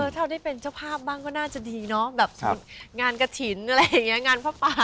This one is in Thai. เธอได้เป็นเจ้าภาพบ้างก็น่าจะดีเนาะแบบงานกระถิณอะไรแล้วเงี๊ยงงานพระปาอะไร